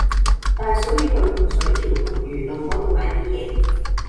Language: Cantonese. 大嫂要去洪水橋洪儒路嗰度買啲嘢